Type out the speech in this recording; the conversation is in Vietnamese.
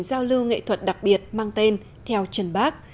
giao lưu nghệ thuật đặc biệt mang tên theo trần bác